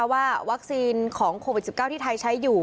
ว่าวัคซีนของโควิด๑๙ที่ไทยใช้อยู่